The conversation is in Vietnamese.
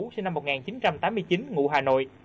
sinh năm một nghìn chín trăm tám mươi chín ngụ hà nội